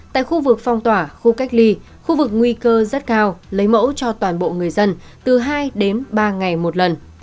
tại khu vực phong tỏa khu cách ly khu vực nguy cơ rất cao lấy mẫu cho toàn bộ người dân từ hai đến ba ngày một lần